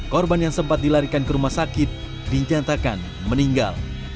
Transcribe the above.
korban yang sempat dilarikan ke rumah sakit dinyatakan meninggal